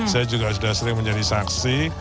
saya juga sudah sering menjadi saksi